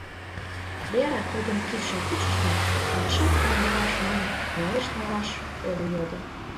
Вера тудын кидшым кучыш да, изишак куандараш манын, нелеш налаш огыл йодо: